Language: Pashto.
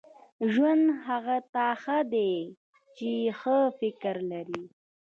• ژوند هغه ته ښه دی چې ښه فکر لري.